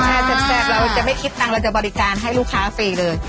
แซ่กเราจะไม่คิดตังค์เราจะบริการให้ลูกค้าฟรีเลย